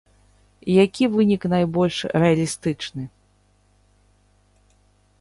Які вынік найбольш рэалістычны?